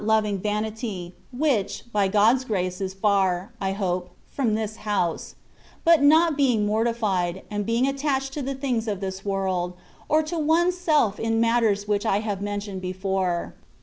65 loving vanity, which, by God^s grace is for, I hope, from this house, but not being mortified, and being attached to the things of this world, or to one's self in matters which I have mentioned before.